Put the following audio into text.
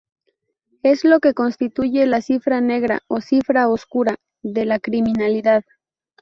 Es lo que constituye la cifra negra o cifra oscura de la criminalidad.